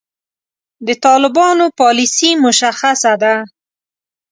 د طالبانو پالیسي مشخصه ده.